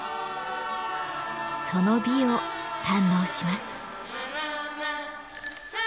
その美を堪能します。